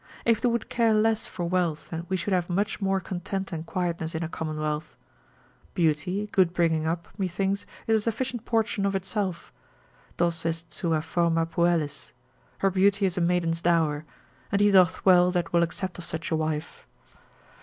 If they would care less for wealth, we should have much more content and quietness in a commonwealth. Beauty, good bringing up, methinks, is a sufficient portion of itself, Dos est sua forma puellis, her beauty is a maiden's dower, and he doth well that will accept of such a wife.